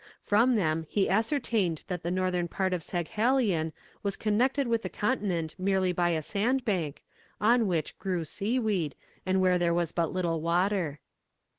From them he ascertained that the northern point of Saghalien was connected with the continent merely by a sand bank, on which grew seaweed, and where there was but little water.